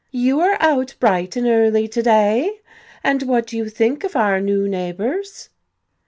"You are out bright and early to day. And what do you think of our new neighbors?"